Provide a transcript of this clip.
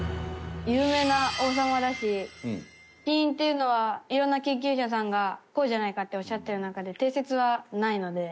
有名な王様だし死因っていうのはいろんな研究者さんがこうじゃないかっておっしゃってる中で定説はないので。